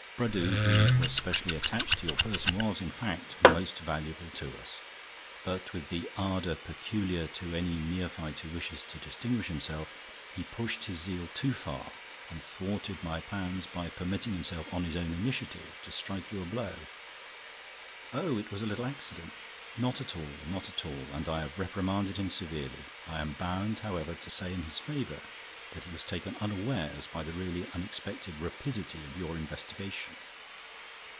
"Brédoux, who was specially attached to your person, was, in fact, most valuable to us. But, with the ardor peculiar to any neophyte who wishes to distinguish himself, he pushed his zeal too far and thwarted my plans by permitting himself, on his own initiative, to strike you a blow." "Oh, it was a little accident!" "Not at all, not at all! And I have reprimanded him severely! I am bound, however, to say in his favor that he was taken unawares by the really unexpected rapidity of your investigation.